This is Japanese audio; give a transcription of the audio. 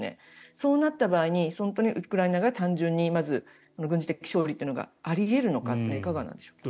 そうなった場合ウクライナが単純にまず軍事的勝利というのがあり得るのかはいかがですか？